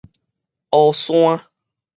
烏山